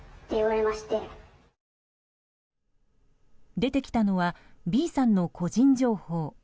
出てきたのはＢさんの個人情報。